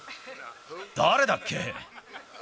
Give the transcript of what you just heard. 誰だっけ？